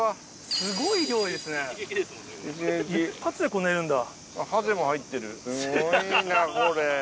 すごいなこれ。